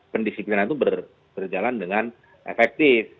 pendisiplinan itu berjalan dengan efektif